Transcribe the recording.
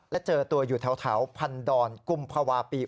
และเจอตัวอยู่แถวพันดอนกุมภาวะปี